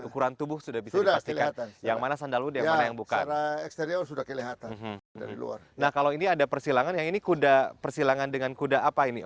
kuda sandal hybrid perjalanan muda